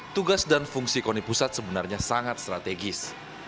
tugas dan fungsi koni pusat sebenarnya sangat strategis